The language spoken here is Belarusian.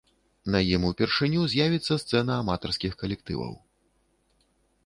На ім упершыню з'явіцца сцэна аматарскіх калектываў.